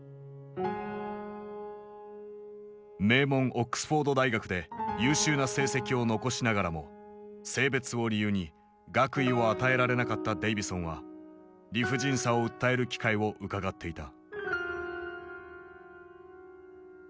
名門オックスフォード大学で優秀な成績を残しながらも性別を理由に学位を与えられなかったデイヴィソンは理不尽さを訴える機会をうかがっていた。